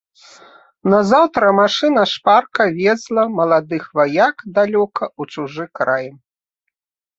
Назаўтра машына шпарка везла маладых ваяк далёка ў чужы край.